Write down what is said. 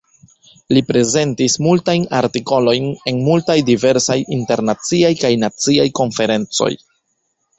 Li prezentis multajn artikolojn en multaj diversaj internaciaj kaj naciaj konferencoj.